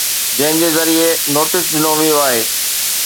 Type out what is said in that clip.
جنهن جي ذريعي نوٽيس ڏنو ويو آهي